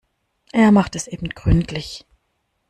Er macht es eben gründlich.